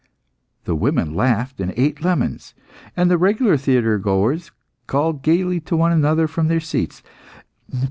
The women laughed and ate lemons, and the regular theatre goers called gaily to one another from their seats.